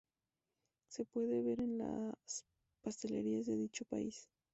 Se puede ver en las pastelerías de dicho país.